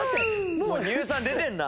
もう乳酸出てんな。